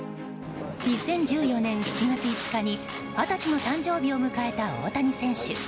２０１４年７月５日に二十歳の誕生日を迎えた大谷選手。